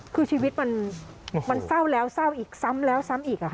คือชีวิตมันเศร้าแล้วเศร้าอีกซ้ำแล้วซ้ำอีก